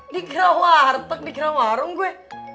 dikira warteg dikira warung gue